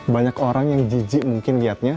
banyak orang yang jijik mungkin niatnya